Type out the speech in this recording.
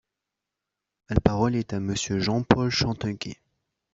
La parole est à Monsieur Jean-Paul Chanteguet.